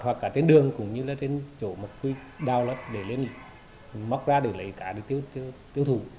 hoặc cả trên đường cũng như là trên chỗ mật quy đao lấp để lên móc ra để lấy cá để tiêu thụ